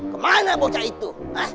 kemana bocah itu